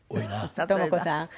「智子さん